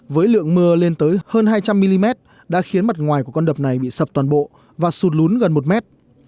với lượng mưa lên tới hơn hai trăm linh mm đã khiến mặt ngoài của con đập này bị sập toàn bộ và sụt lún gần một mét